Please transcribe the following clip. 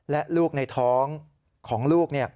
และลูกในท้องของลูก